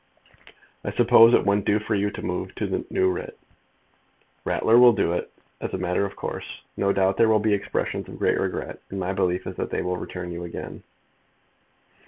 I suppose it wouldn't do for you to move for the new writ." "Ratler will do it, as a matter of course. No doubt there will be expressions of great regret, and my belief is that they will return you again."